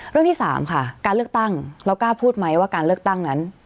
เรื่องที่๓ค่ะการเลือกตั้งเรากล้าพูดไหมว่าการเลือกตั้งนั้น